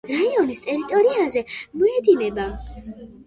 რაიონის ტერიტორიაზე მიედინება მდინარეები მტკვარი, ლიახვი, ტანა, თეძამი.